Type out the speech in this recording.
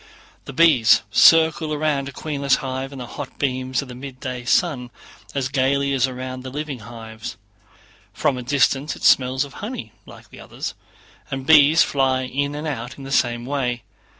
The bees circle round a queenless hive in the hot beams of the midday sun as gaily as around the living hives; from a distance it smells of honey like the others, and bees fly in and out in the same way.